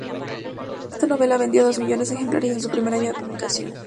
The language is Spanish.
Esta novela vendió dos millones de ejemplares en su primer año de publicación.